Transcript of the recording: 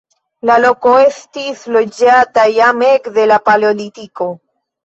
La loko estis loĝata jam ekde la paleolitiko.